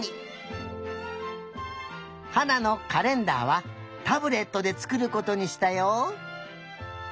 はなのカレンダーはタブレットでつくることにしたよ。